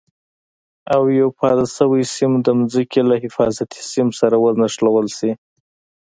او یو پاتې شوی سیم د ځمکې له حفاظتي سیم سره ونښلول شي.